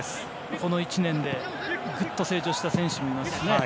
この１年でぐっと成長した選手もいます。